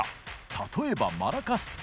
例えばマラカス。